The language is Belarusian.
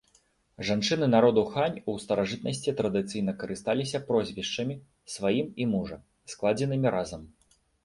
Жанчыны народу хань у старажытнасці традыцыйна карысталіся прозвішчамі, сваім і мужа, складзенымі разам.